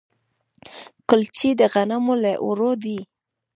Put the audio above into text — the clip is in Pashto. کلچې د غنمو له اوړو دي.